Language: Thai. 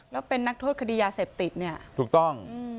แล้วเป็นนักโทษคดียาเสพติดเนี่ยถูกต้อง